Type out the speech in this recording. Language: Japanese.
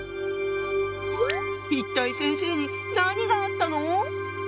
一体先生に何があったの？